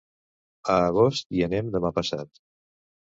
A Agost hi anem demà passat.